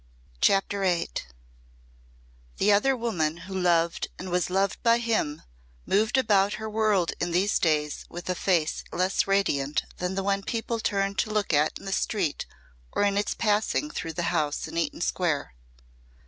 CHAPTER VIII The other woman who loved and was loved by him moved about her world in these days with a face less radiant than the one people turned to look at in the street or in its passing through the house in Eaton Square.